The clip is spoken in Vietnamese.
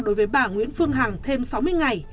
đối với bà nguyễn phương hằng thêm sáu mươi ngày